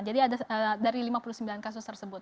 jadi ada dari lima puluh sembilan kasus tersebut